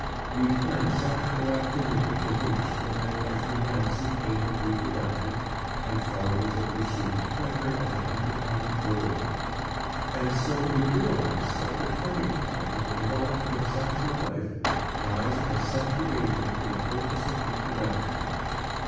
We term sexual activity perverse when it has renounced the aim of reproduction and follows the pursuit of pleasure as an independent goal. And so you realize that the turning point in the development of sexual life lies in its subjugation to the purpose of reproduction.